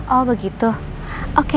oh begitu oke